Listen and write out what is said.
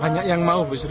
banyak yang mau bu sri